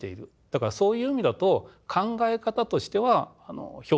だからそういう意味だと考え方としては標準的なんですね。